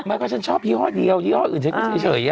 ไม่เพราะฉันชอบพี่ฮอตเดียวพี่ฮอตอื่นเฉย